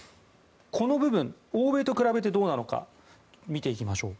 この部分、欧米と比べてどうなのか見ていきましょう。